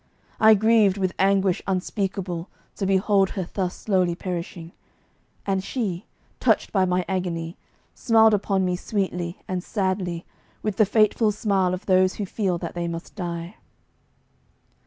I grieved with anguish unspeakable to behold her thus slowly perishing; and she, touched by my agony, smiled upon me sweetly and sadly with the fateful smile of those who feel that they must die.